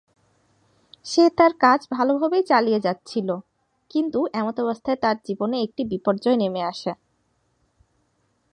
সে তার কাজ ভালোভাবেই চালিয়ে যাচ্ছিল, কিন্তু এমতাবস্থায় যার জীবনে একটি বিপর্যয় নেমে আসে।